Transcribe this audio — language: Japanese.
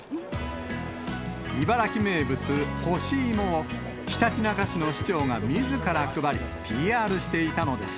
茨城名物、干し芋を、ひたちなか市の市長がみずから配り、ＰＲしていたのです。